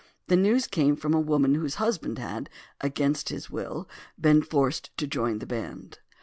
The news came from a woman whose husband had, against his will, been forced to join the band.